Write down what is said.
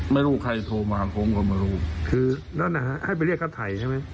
ไม่รู้ใครโทรมาผมก็ไม่รู้คือนั่นนะฮะให้ไปเรียกค่าถ่ายใช่ไหม